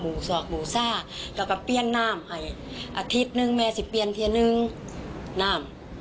แม่ขออยู่ขอเรียกขอเรียกก็ไปห่อเทียนคือล่ะ